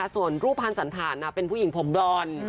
ส่วนรูปภัณฑ์สันฐานเป็นผู้หญิงผมบรอน